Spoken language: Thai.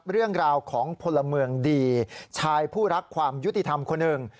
เรื่องราวของพลเมืองดีชายผู้รักความยุติธรรมคนหนึ่ง